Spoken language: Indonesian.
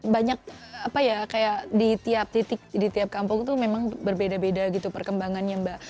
banyak apa ya kayak di tiap titik di tiap kampung itu memang berbeda beda gitu perkembangannya mbak